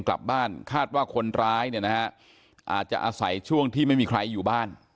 กลับบ้านคาดว่าคนร้ายเนี่ยนะฮะอาจจะอาศัยช่วงที่ไม่มีใครอยู่บ้าน